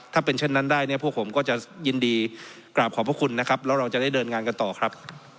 ถ้าเป็นเช่นนั้นได้เนี่ยพวกผมก็จะยินดีกราบขอบพระคุณนะครับแล้วเราจะได้เดินงานกันต่อครับ